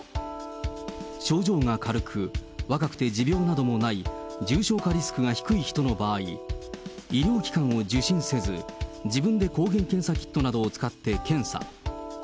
症状が軽く、若くて持病などもない重症化リスクが低い人の場合、医療機関を受診せず、自分で抗原検査キットなどを使って検査。